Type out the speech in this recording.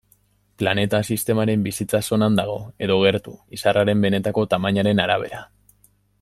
Planeta sistemaren bizitza-zonan dago, edo gertu, izarraren benetako tamainaren arabera.